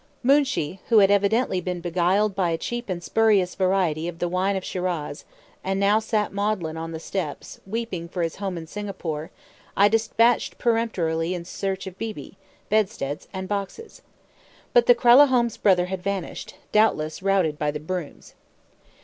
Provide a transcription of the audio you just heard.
Moonshee, who had evidently been beguiled by a cheap and spurious variety of the wine of Shiraz, and now sat maudlin on the steps, weeping for his home in Singapore, I despatched peremptorily in search of Beebe, bedsteads, and boxes. But the Kralahome's brother had vanished, doubtless routed by the brooms.